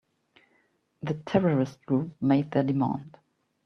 The terrorist group made their demand.